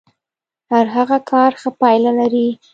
هر ښه کار ښه پايله لري.